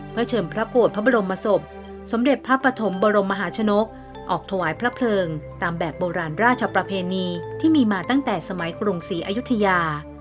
เพื่อเชิญพระโกรธพระบรมศพสมเด็จพระปฐมบรมมหาชนกออกถวายพระเพลิงตามแบบโบราณราชประเพณีที่มีมาตั้งแต่สมัยกรุงศรีอายุทยา